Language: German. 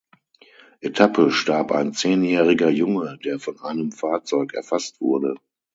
Etappe starb ein zehnjähriger Junge, der von einem Fahrzeug erfasst wurde.